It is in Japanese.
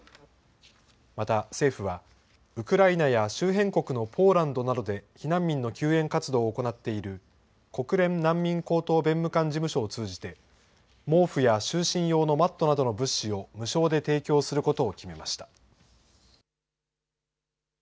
また政府は、ウクライナや周辺国のポーランドなどで避難民の救援活動を行っている国連難民高等弁務官事務所を通じて、毛布や就寝用のマットなどの物資を無償で提供することを決めました。